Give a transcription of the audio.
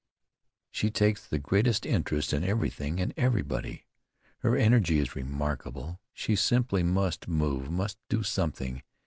She takes the greatest interest in everything and everybody. Her energy is remarkable. She simply must move, must do something.